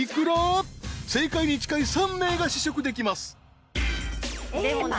［正解に近い３名が試食できます］